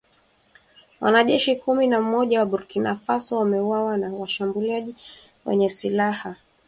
Wanajeshi kumi na mmoja wa Burkina Faso wameuawa na washambuliaji wenye silaha